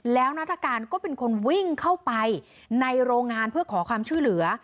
แล้วนัฐกาลก็เป็นคนวิ่งเข้าไปในโรงงานเพื่อขอความช่วยเหลือ